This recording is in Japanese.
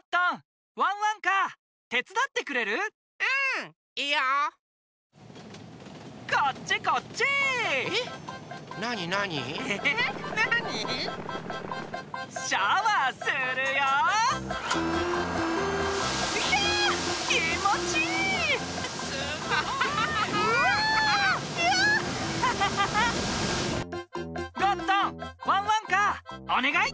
ゴットンワンワンカーおねがい！